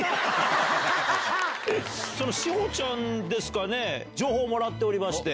その志保ちゃんですかね情報もらっておりまして。